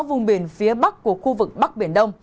vùng biển phía bắc của khu vực bắc biển đông